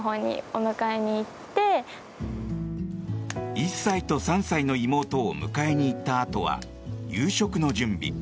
１歳と３歳の妹を迎えに行ったあとは夕食の準備。